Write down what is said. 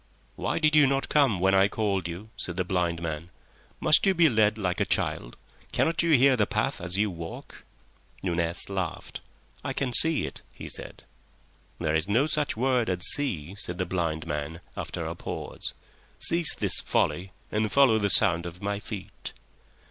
"Why did you not come when I called you?" said the blind man. "Must you be led like a child? Cannot you hear the path as you walk?" Nunez laughed. "I can see it," he said. "There is no such word as see," said the blind man, after a pause. "Cease this folly and follow the sound of my feet."